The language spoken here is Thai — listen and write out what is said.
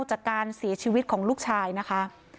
จากการเสียชีวิตของลูกชายนะคะ